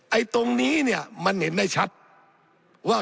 ไอ้ตรงนี้เนี่ยมันเห็นได้ชัดว่า